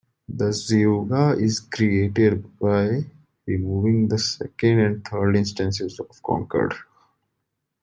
The zeugma is created by removing the second and third instances of "conquered".